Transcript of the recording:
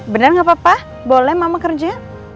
bener nggak papa boleh mama kerja